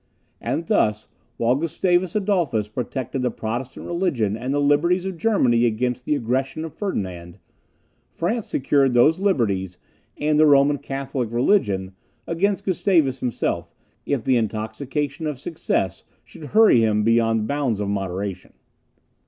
And thus, while Gustavus Adolphus protected the Protestant religion and the liberties of Germany against the aggression of Ferdinand, France secured those liberties, and the Roman Catholic religion, against Gustavus himself, if the intoxication of success should hurry him beyond the bounds of moderation.